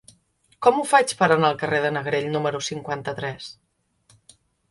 Com ho faig per anar al carrer de Negrell número cinquanta-tres?